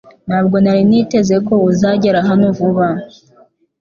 Ntabwo nari niteze ko uzagera hano vuba .